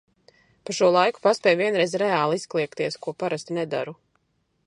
Pa šo laiku paspēju vienreiz reāli izkliegties, ko parasti nedaru.